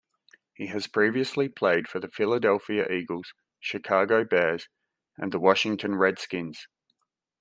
He has previously played for the Philadelphia Eagles, Chicago Bears, and the Washington Redskins.